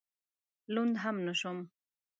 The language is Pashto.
لوند هم نه شوم.